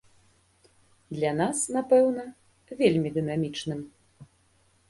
Для нас, напэўна, вельмі дынамічным.